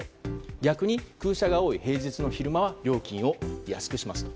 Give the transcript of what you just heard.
逆に空車が多い平日の昼間は料金を安くしますと。